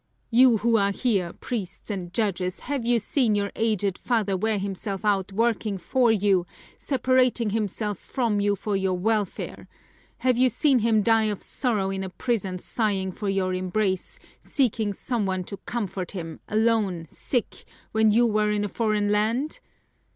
You who are here, priests and judges, have you seen your aged father wear himself out working for you, separating himself from you for your welfare, have you seen him die of sorrow in a prison sighing for your embrace, seeking some one to comfort him, alone, sick, when you were in a foreign land?